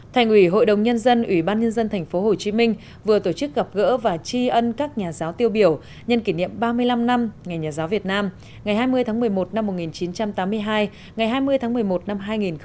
thành ủy hội đồng nhân dân ủy ban nhân dân tp hcm vừa tổ chức gặp gỡ và tri ân các nhà giáo tiêu biểu nhân kỷ niệm ba mươi năm năm ngày nhà giáo việt nam ngày hai mươi tháng một mươi một năm một nghìn chín trăm tám mươi hai ngày hai mươi tháng một mươi một năm hai nghìn một mươi chín